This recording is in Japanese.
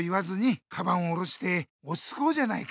カバンを下ろしておちつこうじゃないか。